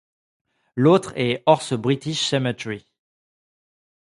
L'autre est Ors British Cemetery.